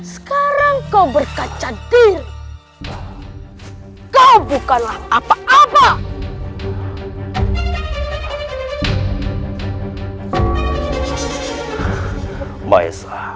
sekarang kau berkaca diri